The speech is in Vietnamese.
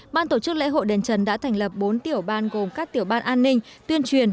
ban tổ chức lễ hội đền trần đã thành lập bốn tiểu ban gồm các tiểu ban an ninh tuyên truyền